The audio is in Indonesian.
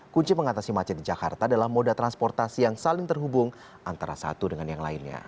kunci mengatasi macet di jakarta adalah moda transportasi yang saling terhubung antara satu dengan yang lainnya